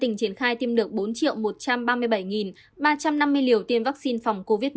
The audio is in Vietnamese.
ngày tiêm được bốn một trăm ba mươi bảy ba trăm năm mươi liều tiêm vaccine phòng covid một mươi chín